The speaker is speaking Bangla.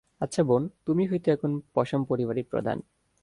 আচ্ছা বোন, তুমিই হয়তো এখন পসাম পরিবারের প্রধান।